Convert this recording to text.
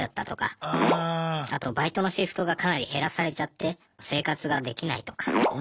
あとバイトのシフトがかなり減らされちゃって生活ができないとか。